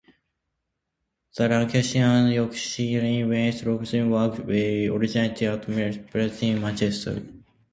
The Lancashire and Yorkshire Railway Locomotive Works were originally at Miles Platting, Manchester.